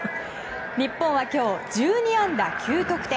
日本は今日、１２安打９得点。